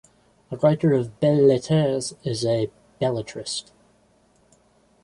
A writer of "belles-lettres" is a belletrist.